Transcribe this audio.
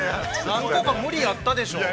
何個か無理あったでしょう。